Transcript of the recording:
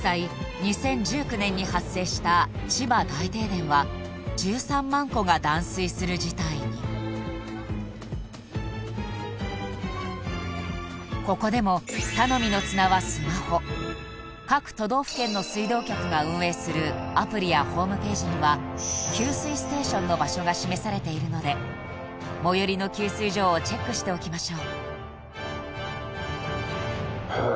２０１９年に発生した千葉大停電は１３万戸が断水する事態にここでも各都道府県の水道局が運営するアプリやホームページには給水ステーションの場所が示されているので最寄りの給水所をチェックしておきましょう